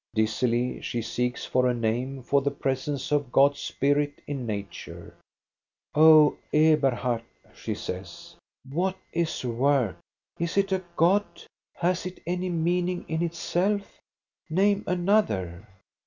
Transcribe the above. Dizzily she seeks for a name for the presence of God's spirit in nature. "Oh, Eberhard," she says, "what is work? Is it a god? Has it any meaning in itself? Name another